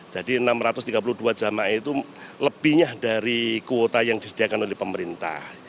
jadi enam ratus tiga puluh dua jamaah itu lebihnya dari kuota yang disediakan oleh pemerintah